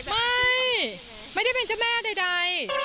ไม่ได้เป็นเจ้าแม่ใด